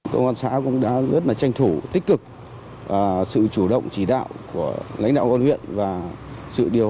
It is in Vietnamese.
công an xã cũng đã rất là tranh thủ tích cực sự chủ động chỉ đạo của lãnh đạo con huyện và sự điều